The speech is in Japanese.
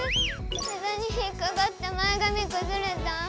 えだに引っかかって前がみくずれた。